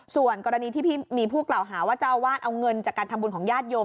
ส่วนกรณีที่มีผู้กล่าวหาว่าเจ้าอาวาสเอาเงินจากการทำบุญของญาติโยม